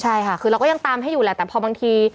ใช่ค่ะคือเราก็ยังตามให้อยู่แหละแต่พอบางที